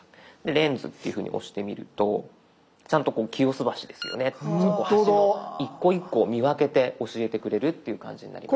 「レンズ」っていうふうに押してみるとちゃんとこう清洲橋ですよねって橋の一個一個を見分けて教えてくれるっていう感じになります。